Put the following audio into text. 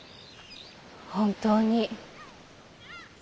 本当に。